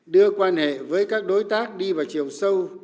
đưa quan hệ với các đối tác đi vào chiều sâu